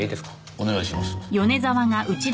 お願いします。